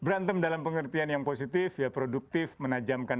berantem dalam pengertian yang positif ya produktif menajamkan